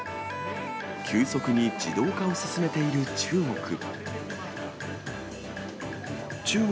急速に自動化を進めている中国。